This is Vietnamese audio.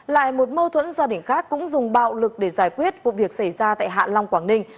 lại một mâu thuẫn gia đình khác cũng dùng bạo lực để giải quyết vụ việc xảy ra tại hạ long quảng ninh